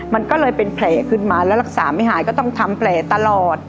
มันก็เลยเป็นแผลขึ้นมาแล้วรักษาไม่หายก็ต้องทำแผลตลอด